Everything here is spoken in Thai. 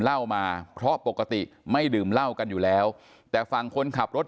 เหล้ามาเพราะปกติไม่ดื่มเหล้ากันอยู่แล้วแต่ฝั่งคนขับรถ